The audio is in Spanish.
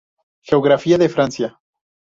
Geografía de Francia